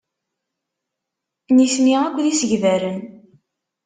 Nitni akk d isegbaren.